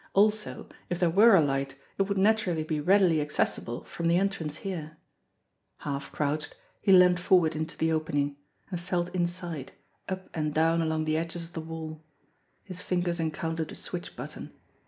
Also if there were a light it would naturally be readily accessible from the entrance here. Half crouched, he leaned forward into the opening, and felt inside, up and down along the edges of the wall. His fingers encountered a switch button.